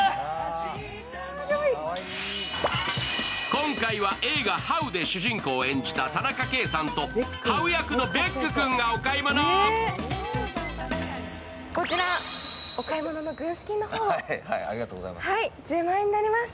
今回は映画「ハウ」で主人公を演じた田中圭さんと、ハウ役のベック君がお買い物。ありがとうございます。